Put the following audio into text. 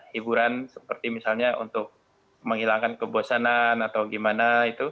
hiburan seperti misalnya untuk menghilangkan kebosanan atau gimana